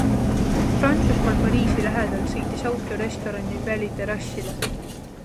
Prantsusmaal Pariisi lähedal sõitis auto restorani väliterrassile.